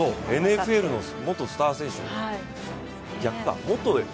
元ＮＦＬのスター選手。